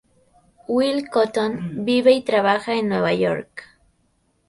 Will Cotton vive y trabaja en Nueva York.